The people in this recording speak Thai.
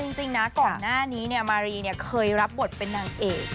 จริงนะก่อนหน้านี้มารีเนี่ยเคยรับบทเป็นนางเอก